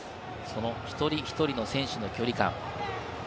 一人一人の選手の距離感。